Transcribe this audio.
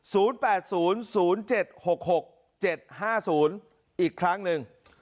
แปดศูนย์ศูนย์เจ็ดหกหกเจ็ดห้าศูนย์อีกครั้งหนึ่ง